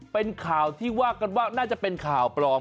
เป็นข่าวที่ว่ากันว่าน่าจะเป็นข่าวปลอม